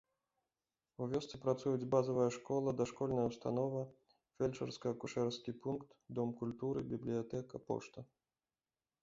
У вёсцы працуюць базавая школа, дашкольная ўстанова, фельчарска-акушэрскі пункт, дом культуры, бібліятэка, пошта.